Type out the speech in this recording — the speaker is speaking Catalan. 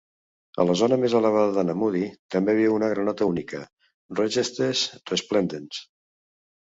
A la zona més elevada d'Anamudi també viu una granota única: "Raorchestes resplendens".